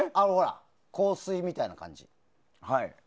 「香水」みたいな感じ。